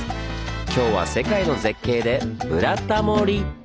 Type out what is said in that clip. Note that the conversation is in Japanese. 今日は世界の絶景で「ブラタモリ」！